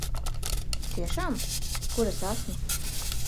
Tiešām? Kur es esmu?